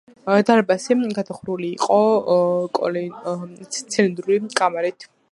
დარბაზი გადახურული იყო, ცილინდრული კამარით.